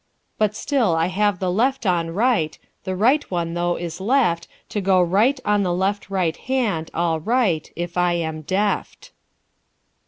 But still I have the left on right; The right one, though, is left To go right on the left right hand All right, if I am deft.